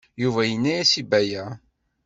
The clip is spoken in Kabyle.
Yuba yenna-as i Baya.